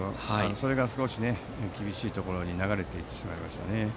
それが少し厳しいところに流れてしまいましたね。